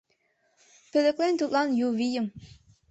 Пӧлеклен тудлан ю вийым